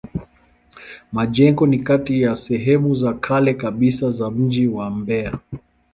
Majengo ni kati ya sehemu za kale kabisa za mji wa Mbeya.